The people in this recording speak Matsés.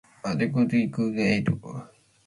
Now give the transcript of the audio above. adequida icbudpec aid